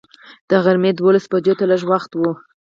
د غرمې دولس بجو ته لږ وخت و.